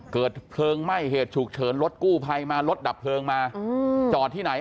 เกิดเพลิงไหม้เหตุฉุกเฉินรถกู้ภัยมารถดับเพลิงมาจอดที่ไหน